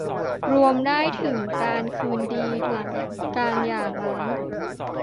รวมได้ถึงการคืนดีหลังการหย่าร้าง